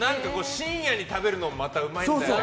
深夜に食べるのがまたうまいんだよね。